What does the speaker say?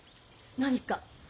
何か？